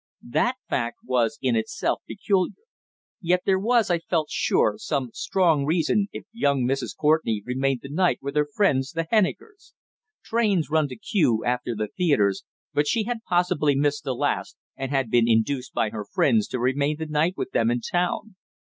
That fact was in itself peculiar. Yet there was, I felt sure, some strong reason if young Mrs. Courtenay remained the night with her friends, the Hennikers. Trains run to Kew after the theatres, but she had possibly missed the last, and had been induced by her friends to remain the night with them in town.